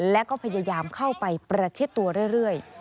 และก็พยายามเข้าไปประชิดตัวเรื่อย